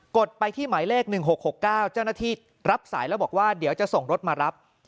ดไปที่หมายเลข๑๖๖๙เจ้าหน้าที่รับสายแล้วบอกว่าเดี๋ยวจะส่งรถมารับ